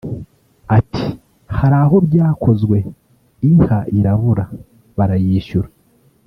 Ati “Hari aho byakozwe inka irabura barayishyura